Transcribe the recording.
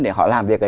để họ làm việc